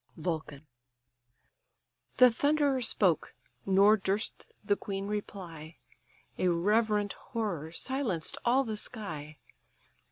VULCAN The thunderer spoke, nor durst the queen reply; A reverent horror silenced all the sky.